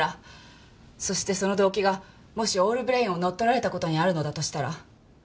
そしてその動機がもしオールブレインを乗っ取られた事にあるのだとしたら。